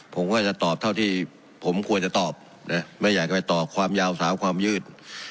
ผมก็จะตอบเท่าที่ผมควรจะตอบนะไม่อยากจะไปตอบความยาวสาวความยืด